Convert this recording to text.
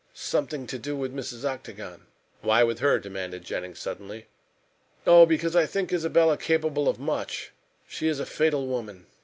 "Something to do with Mrs. Octagon." "Why with her?" demanded Jennings suddenly. "Oh, because I think Isabella capable of much. She is a fatal woman!"